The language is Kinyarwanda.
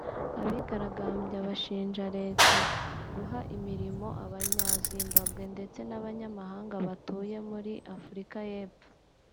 Abigaragambya bashinja Leta guha imirimo abanya-Zimbabwe ndetse n’abanyamahanga batuye muri Afurika y’Epfo